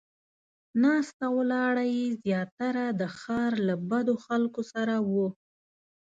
ناسته ولاړه یې زیاتره د ښار له بدو خلکو سره وه.